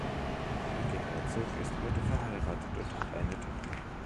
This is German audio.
Rieke Herzog ist heute verheiratet und hat eine Tochter.